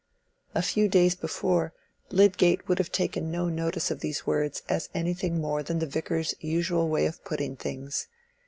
A few days before, Lydgate would have taken no notice of these words as anything more than the Vicar's usual way of putting things.